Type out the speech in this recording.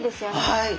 はい。